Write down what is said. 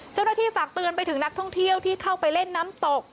เจ้าหน้าที่ฝากเตือนไปถึงนักท่องเที่ยวที่เข้าไปเล่นน้ำตก